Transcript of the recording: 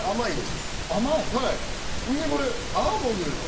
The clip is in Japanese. これアーモンドですか？